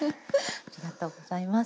ありがとうございます。